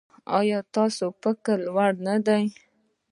ایا ستاسو فکر لوړ نه دی؟